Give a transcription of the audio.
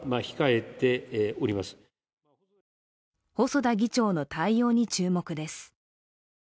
細田議長の対応に注目です。